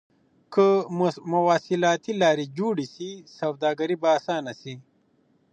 که مواصلاتي لاري جوړي سي سوداګري به اسانه سي.